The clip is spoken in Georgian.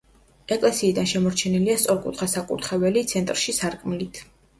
ეკლესიიდან შემორჩენილია სწორკუთხა საკურთხეველი ცენტრში სარკმლით.